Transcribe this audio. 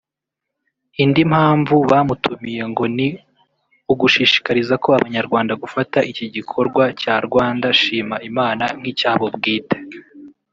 Indi mpamvu batamutumiye ngo ni ugushishikariza ko abanyarwanda gufata iki gikorwa cya Rwanda Shima Imana nk’icyabo bwite